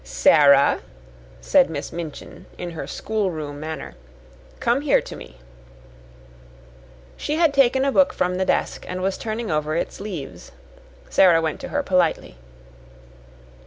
"Sara," said Miss Minchin in her schoolroom manner, "come here to me." She had taken a book from the desk and was turning over its leaves. Sara went to her politely.